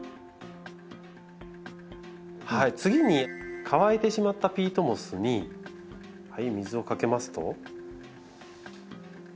次に乾いてしまったピートモスに水をかけますと。